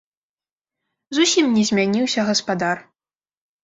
Зусім не змяніўся гаспадар.